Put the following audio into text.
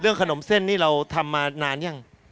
เรื่องขนมเส้นนี้เราทำมานานอย่าง